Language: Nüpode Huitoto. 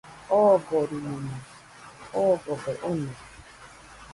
Ogorimona ogobe ono.